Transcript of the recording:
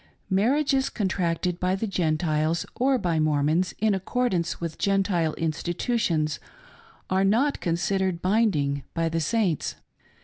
Marriages contracted by the Gentiles, or by Mormons in accordance with Gentile institutions, are not considered bind ing by the Saints.